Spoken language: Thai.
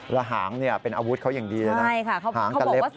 แล้วหางเป็นอาวุธเขายังดีนะหางกับเล็บใช่ค่ะ